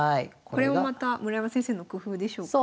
これもまた村山先生の工夫でしょうか？